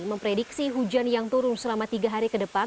memprediksi hujan yang turun selama tiga hari ke depan